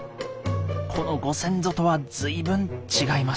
このご先祖とは随分違います。